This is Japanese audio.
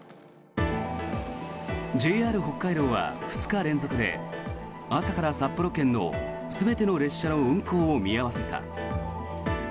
ＪＲ北海道は２日連続で朝から札幌圏の全ての列車の運行を見合わせた。